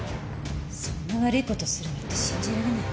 「そんな悪い事するなんて信じられないわ」